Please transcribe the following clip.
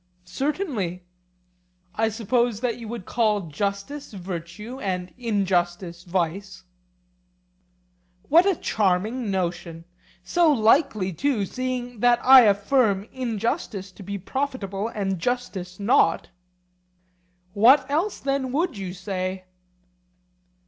Certainly. I suppose that you would call justice virtue and injustice vice? What a charming notion! So likely too, seeing that I affirm injustice to be profitable and justice not. What else then would you say?